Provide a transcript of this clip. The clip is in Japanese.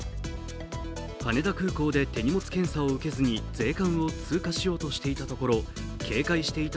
羽田空港で手荷物検査を受けずに税関を通過しようとしていたところ、警戒していた